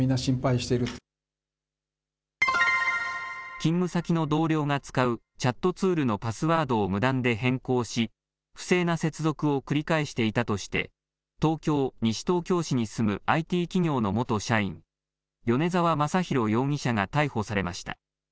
勤務先の同僚が使うチャットツールのパスワードを無断で変更し不正な接続を繰り返していたとして東京西東京市に住むＩＴ企業の元社員、米沢正寛容疑者が逮捕されました。